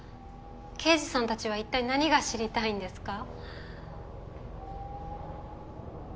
刑事さんたちは一体何が知りたいんですか。